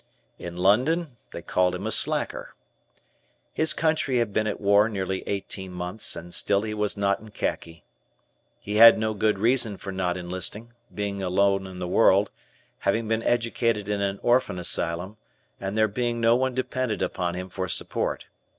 In London they called him a slacker. His country had been at war nearly eighteen months, and still he was not in khaki. He had no good reason for not enlisting, being alone in the world, having been educated in an Orphan Asylum, and there being no one dependent upon him for support.